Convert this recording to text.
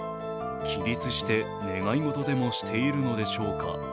起立して願い事でもしているのでしょうか。